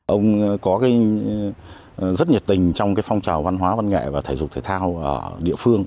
ông có rất nhiệt tình trong phong trào văn hóa văn nghệ và thể dục thể thao địa phương